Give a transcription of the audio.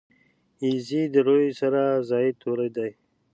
یږي د روي سره زاید توري دي.